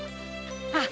あっ！